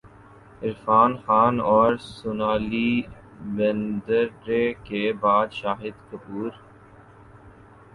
عرفان خان اور سونالی بیندر ے کے بعد شاہد کپور